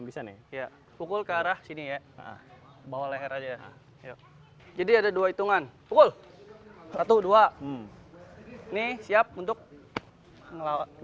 cingkrik sendiri berasal dari bahasa betawi